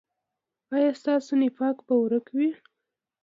ایا ستاسو نفاق به ورک وي؟